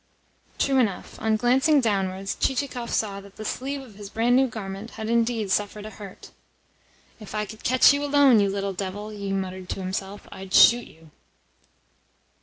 True enough, on glancing downwards, Chichikov saw that the sleeve of his brand new garment had indeed suffered a hurt. "If I could catch you alone, you little devil," he muttered to himself, "I'd shoot you!"